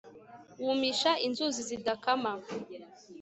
wumisha inzuzi zidakama